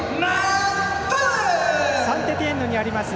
サンテティエンヌにあります